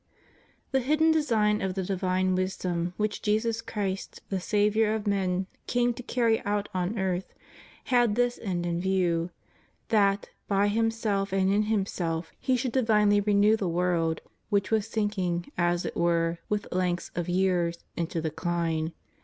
The hidden design of the divine wisdom, which Jesus Christ the Saviour of men came to carry out on earth, had this end in view, that, by Himself and in Himself, He should divinely renew the world, which was sinking as it were, with length of years, into decline.